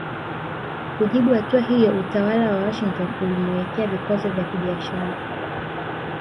Kujibu hatua hiyo utawala wa Washington ulimuwekea vikwazo vya kibiashara